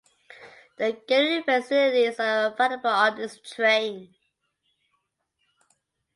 No catering facilities are available on this train.